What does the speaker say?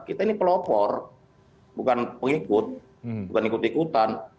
kita ini pelopor bukan pengikut bukan ikut ikutan